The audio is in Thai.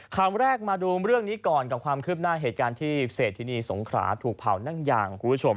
คำแรกมาดูเรื่องนี้ก่อนกับความคืบหน้าเหตุการณ์ที่เศรษฐินีสงขราถูกเผานั่งยางคุณผู้ชม